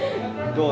どう？